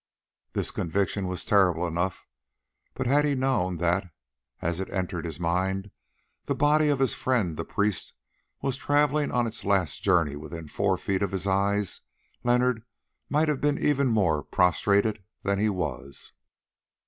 This conviction was terrible enough, but had he known that, as it entered his mind, the body of his friend the priest was travelling on its last journey within four feet of his eyes, Leonard might have been even more prostrated than he was.